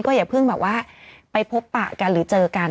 อย่าเพิ่งแบบว่าไปพบปะกันหรือเจอกัน